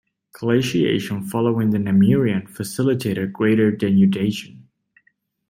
Glaciation following the Namurian facilitated greater denudation.